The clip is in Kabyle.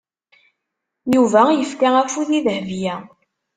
Yuba yefka afud i Dahbiya.